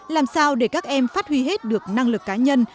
làm sao để các em phát huy hết được năng lực cá nhân